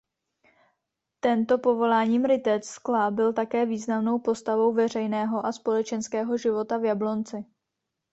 Tento povoláním rytec skla byl také významnou postavou veřejného a společenského života v Jablonci.